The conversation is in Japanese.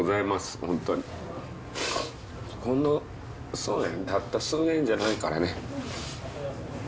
ほんの、たった数年じゃないからね。